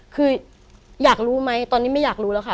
คืออยากรู้ไหมตอนนี้ไม่อยากรู้แล้วค่ะ